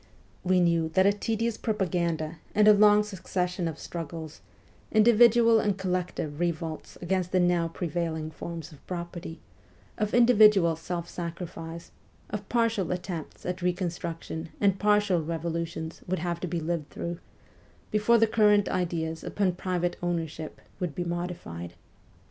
We knew that a tedious propaganda and a long succession of struggles, individual and collective revolts against the now prevailing forms of property, of individual self sacrifice, of partial attempts at reconstruction and partial revolutions would have to be lived through, before the current ideas upon private ownership would be modified.